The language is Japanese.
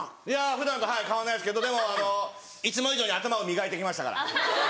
普段と変わんないですけどでもいつも以上に頭を磨いてきましたから。